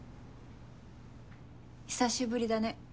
久しぶりだね。